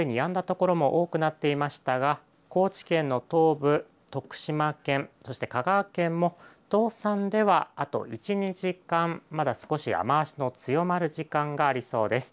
所も多くなっていましたが高知県の東部徳島県そして香川県もとうさんではあと１、２時間まだ少し雨足の強まる時間がありそうです。